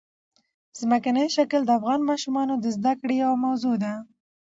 ځمکنی شکل د افغان ماشومانو د زده کړې یوه موضوع ده.